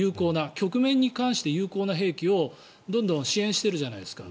局面に関して有効な兵器をどんどん支援しているじゃないですか。